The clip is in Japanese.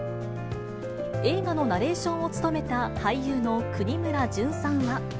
映画のナレーションを務めた俳優の國村隼さんは。